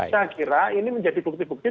saya kira ini menjadi bukti bukti